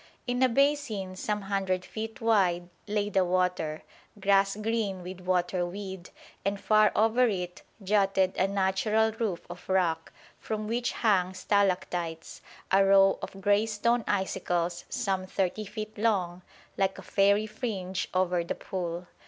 In a basin some hundred feet wide lay the water, grass green with water weed, and far over it jutted a natural roof of rock, from which hung stalactites, a row of grey stone icicles some thirty feet long, like a fairy fringe over the pool.